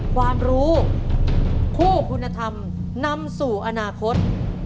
ความรู้คู่คุณธรรมนำสู่อนาคต